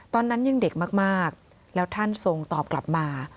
ตอนนั้นยังเด็กมากแล้วท่านทรงตอบกลับมา